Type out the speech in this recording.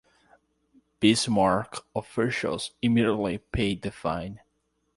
Bismarck officials immediately paid the fine.